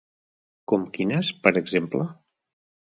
Com quines, per exemple?